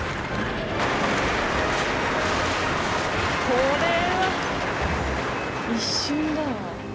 これは一瞬だわ。